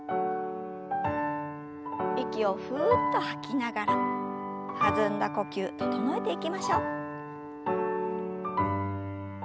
息をふっと吐きながら弾んだ呼吸整えていきましょう。